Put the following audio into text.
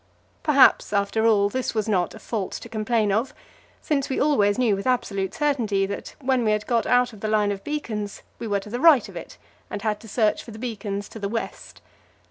Perhaps. after all, this was not a fault to complain of, since we always knew with absolute certainty that, when we had got out of the line of beacons, we were to the right of it and had to search for the beacons to the west.